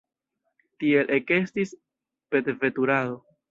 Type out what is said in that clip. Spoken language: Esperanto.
Tiel ekestis petveturado!